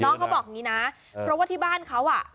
นี่คือเทคนิคการขาย